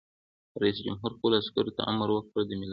رئیس جمهور خپلو عسکرو ته امر وکړ؛ د ملت هیلې مه وژنئ!